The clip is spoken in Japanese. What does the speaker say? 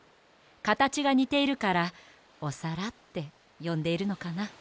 かたちがにているからおさらってよんでいるのかな。